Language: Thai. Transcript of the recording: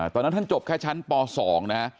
ตอนนั้นท่านจบแค่ชั้นป๒นะฮะ